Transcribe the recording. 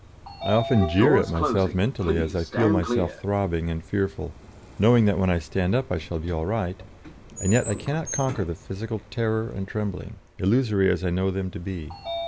I often jeer at myself mentally as I feel myself throbbing and fearful, knowing that when I stand up I shall be all right, and yet I cannot conquer the physical terror and trembling, illusory as I know them to be.